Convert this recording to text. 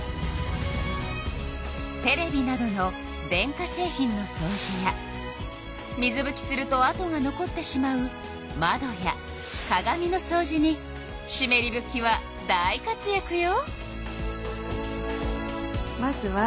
テレビなどの電化製品のそうじや水ぶきするとあとが残ってしまう窓や鏡のそうじにしめりぶきは大活やくよ。